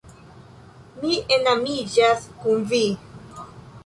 Mi enamiĝas kun vi!